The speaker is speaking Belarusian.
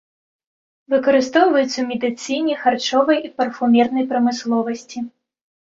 Выкарыстоўваецца ў медыцыне, харчовай і парфумернай прамысловасці.